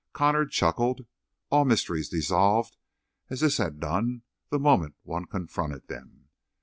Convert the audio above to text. Connor chuckled; all mysteries dissolved as this had done the moment one confronted them.